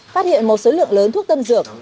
phát hiện một số lượng lớn thuốc tân dược